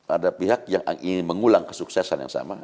ada pihak yang ingin mengulang kesuksesan yang sama